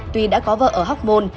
tuy đã có vợ ở hóc môn